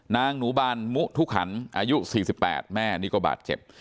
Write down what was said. นางหนูบันมุทุขันอายุ๔๘แม่นี่ก็บาดเจ็บ